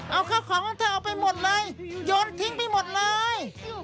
เอาข้าวของของเธอเอาไปหมดเลยโยนทิ้งไปหมดเลย